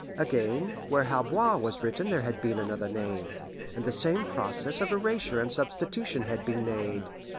Again, where "Halboir" was written there had been another name, and the same process of erasure and substitution had been made.